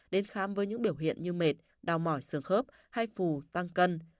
đến khám với những biểu hiện như mệt đau mỏi sương khớp hay phù tăng cân